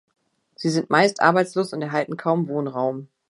Sie sind meist arbeitslos und erhalten kaum Wohnraum.